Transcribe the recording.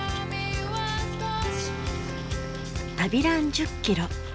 「旅ラン１０キロ」。